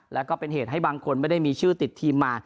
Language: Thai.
แล้วก็เป็นเหตุให้บางคนไม่ได้มีชื่อติดทีมมา